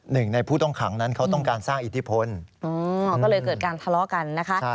หนึ่งในผู้ต้องขังนั้นเขาต้องการสร้างอิทธิพลก็เลยเกิดการทะเลาะกันนะคะ